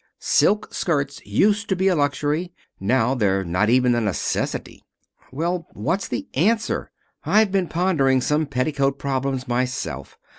Silk skirts used to be a luxury. Now they're not even a necessity." "Well, what's the answer? I've been pondering some petticoat problems myself.